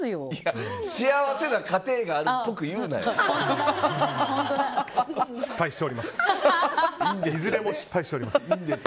幸せな家庭がいずれも失敗しております。